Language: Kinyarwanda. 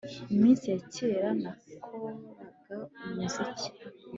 iminsi yakera nakoraga umuziki